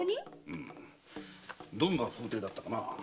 うんどんな風体だったかな？